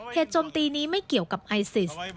โจมตีนี้ไม่เกี่ยวกับไอซิส